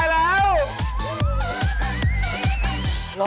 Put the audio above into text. เฮ้ย